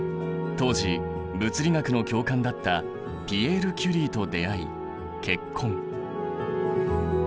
当時物理学の教官だったピエール・キュリーと出会い結婚。